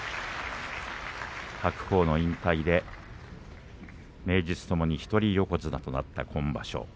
白鵬の引退で名実ともに一人横綱となった今場所。